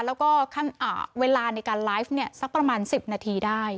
แล้วก็อ่าเวลาในการไลฟ์เนี้ยสักประมาณสิบนาทีได้